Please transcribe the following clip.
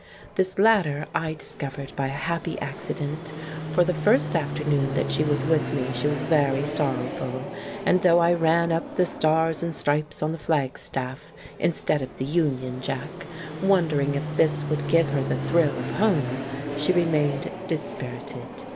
This latter I discovered by a happy accident. For the first afternoon that she was with me she was very sorrowful, and though I ran up the Stars and Stripes on the flagstaff, instead of the Union Jack, wondering if this would give her the thrill of home, she remained dispirited.